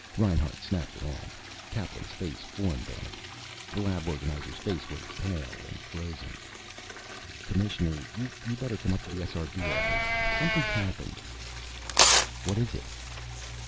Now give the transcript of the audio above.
Reinhart snapped it on. Kaplan's face formed on it. The lab organizer's face was pale and frozen. "Commissioner, you better come up to the SRB office. Something's happened." "What is it?"